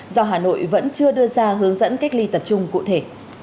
do hà nội vẫn chưa đưa ra hướng dẫn cách ly tập trung cụ thể